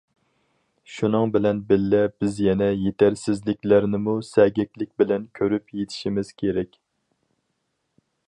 شۇنىڭ بىلەن بىللە، بىز يەنە يېتەرسىزلىكلەرنىمۇ سەگەكلىك بىلەن كۆرۈپ يېتىشىمىز كېرەك.